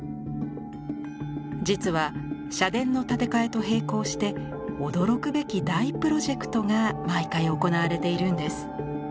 実は社殿の建て替えと並行して驚くべき大プロジェクトが毎回行われているんです。